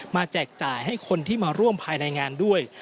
แจกจ่ายให้คนที่มาร่วมภายในงานด้วย